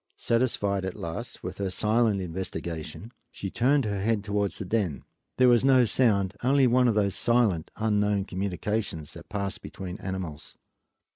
Satisfied at last with her silent investigation she turned her head towards the den. There was no sound, only one of those silent, unknown communications that pass between animals.